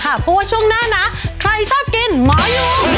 เพราะว่าช่วงหน้านะใครชอบกินหมอยุง